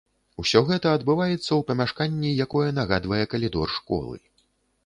Усё гэта адбываецца ў памяшканні, якое нагадвае калідор школы.